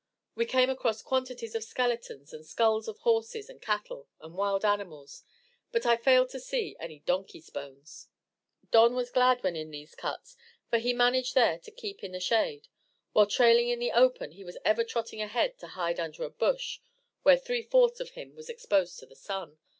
We came across quantities of skeletons and skulls of horses and cattle and wild animals, but I failed to see any donkey's bones. Don was glad when in these cuts, for he managed there to keep in the shade, while trailing in the open he was ever trotting ahead to hide under a bush where three fourths of him was exposed to the sun.